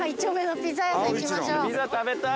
ピザ食べたい！